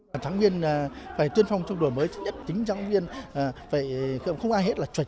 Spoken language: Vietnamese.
giảng viên phải tuyên phong trong đổi mới nhất chính giảng viên phải không ai hết là chuẩn